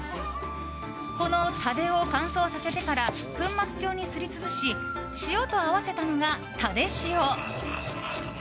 この蓼を乾燥させてから粉末状にすり潰し塩と合わせたのが蓼塩。